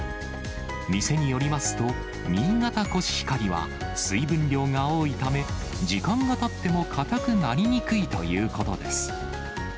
店によりますと、新潟コシヒカリは水分量が多いため、時間がたっても硬くなりにくいということです。